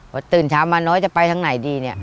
พอตื่นเช้ามาน้อยจะไปทางไหนดีเนี่ย